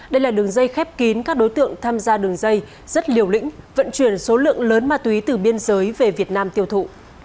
đây là đường dây khép kín các đối tượng tham gia đường dây rất liều lĩnh vận chuyển số lượng lớn ma túy từ biên giới về việt nam tiêu thụ